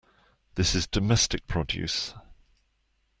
This is domestic produce.